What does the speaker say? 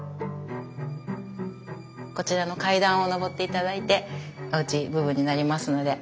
こちらの階段を上って頂いておうち部分になりますので。